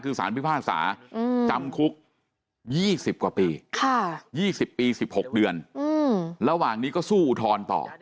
คือสารพิพากษาจำคุก๒๐กว่าปี๒๐ปี๑๖เดือนระหว่างนี้ก็สู้อุทธรณ์ต่อ